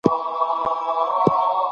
ښاریانو د ښار پاکۍ ته پام کاوه.